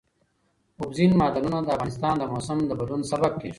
اوبزین معدنونه د افغانستان د موسم د بدلون سبب کېږي.